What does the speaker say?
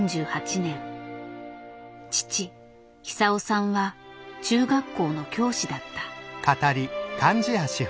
父久夫さんは中学校の教師だった。